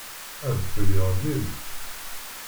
Adfel iɣelli-d.